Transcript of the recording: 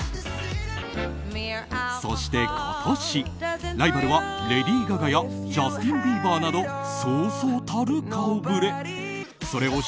そして今年、ライバルはレディー・ガガやジャスティン・ビーバーなどそうそうたる顔ぶれ。